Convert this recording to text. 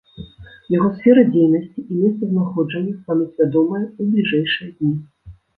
Яго сфера дзейнасці і месцазнаходжанне стануць вядомыя ў бліжэйшыя дні.